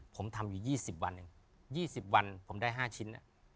ผมทำอยู่๒๐วันผมได้๕ชิ้น